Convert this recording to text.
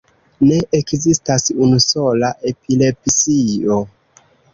Ne ekzistas unusola epilepsio.